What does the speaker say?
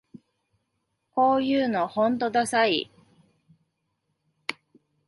こういうのほんとダサい